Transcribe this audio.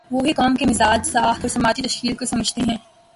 وہی قوم کے مزاج، ساخت اور سماجی تشکیل کو سمجھتے ہیں۔